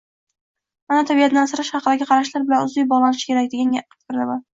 ona tabiatni asrash haqidagi qarashlar bilan uzviy bog‘lanishi kerak, degan fikrdaman.